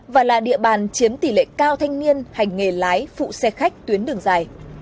và là địa bàn chiếm tỷ lệ cao thanh niên hành nghề lái phụ xe khách tuyến đường dài